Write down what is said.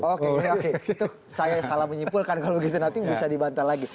oke oke itu saya salah menyimpulkan kalau gitu nanti bisa dibantah lagi